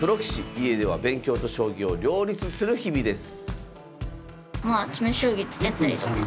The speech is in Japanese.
家では勉強と将棋を両立する日々です。